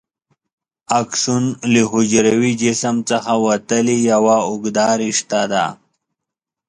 اکسون له حجروي جسم څخه وتلې یوه اوږده رشته ده.